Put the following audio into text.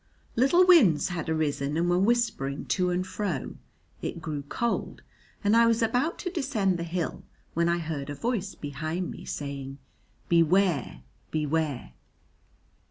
Little winds had arisen and were whispering to and fro, it grew cold, and I was about to descend the hill, when I heard a voice behind me saying, "Beware, beware."